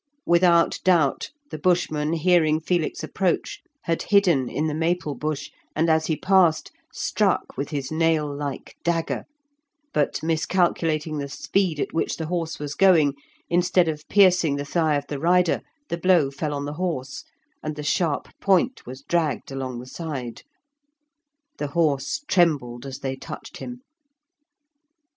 Without doubt, the Bushman, hearing Felix approach, had hidden in the maple bush, and, as he passed, struck with his nail like dagger; but, miscalculating the speed at which the horse was going, instead of piercing the thigh of the rider, the blow fell on the horse, and the sharp point was dragged along the side. The horse trembled as they touched him.